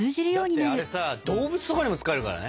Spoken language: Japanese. だってあれさ動物とかにも使えるからね。